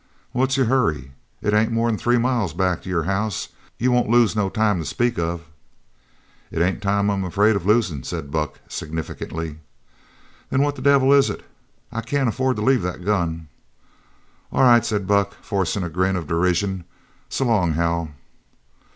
"What's your hurry? It ain't more'n three miles back to your house. You won't lose no time to speak of." "It ain't time I'm afraid of losin'," said Buck significantly. "Then what the devil is it? I can't afford to leave that gun." "All right," said Buck, forcing a grin of derision, "so long, Hal."